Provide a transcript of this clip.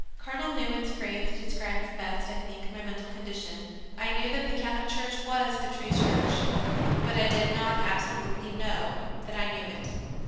Cardinal Newman s phrase describes best, I think, my mental condition. I knew that the Catholic Church was the true Church, but I did not absolutely know that I knew it.